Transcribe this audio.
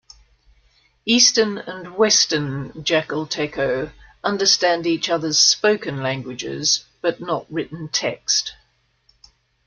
Eastern and Western Jakalteko understand each other's spoken languages, but not written text.